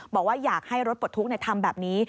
บอกว่าอยากให้รถปลดทุกข์ทำแบบนี้